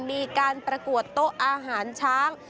มีการประกวดโต๊ะอาหารช้าง